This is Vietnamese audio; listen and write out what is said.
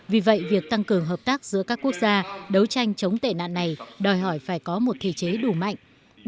vì vậy việc tăng cường hợp tác giữa các quốc gia đấu tranh chống tệ nạn này đòi hỏi phải có một thể chế đủ mạnh